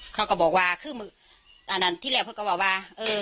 เขาก็บอกว่าคืออันนั้นที่แรกเขาก็บอกว่าเออ